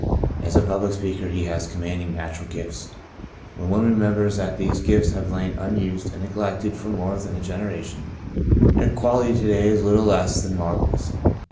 As a public speaker he has commanding nat ural gifts. When one remembers that these gifts have lain unused and neglected for more than a generation, their quality to day is little less than marvellous.